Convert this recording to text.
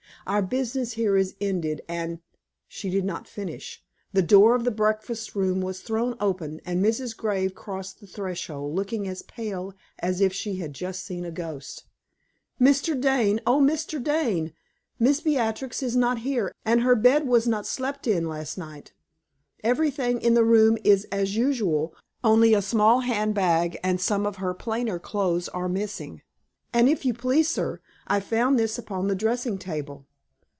Our business here is ended, and " She did not finish. The door of the breakfast room was thrown open, and Mrs. Graves crossed the threshold, looking as pale as if she had just seen a ghost. "Mr. Dane, oh, Mr. Dane, Miss Beatrix is not here and her bed was not slept in last night! Everything in the room is as usual, only a small hand bag and some of her plainer clothing are missing. And, if you please, sir, I found this upon the dressing table."